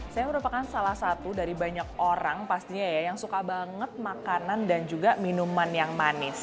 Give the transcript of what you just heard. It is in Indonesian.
saya merupakan salah satu dari banyak orang pastinya ya yang suka banget makanan dan juga minuman yang manis